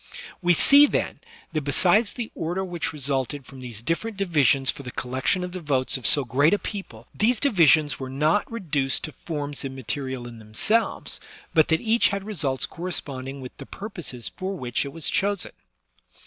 We see, then, that besides the order which resulted from these different divisions for the collection of the votes of so great a people, these divisions were not reduced to forms immaterial in themselves, but that each had results corresponding with the purposes for which it was chosen.